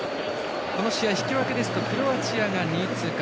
この試合、引き分けですとクロアチアが２位通過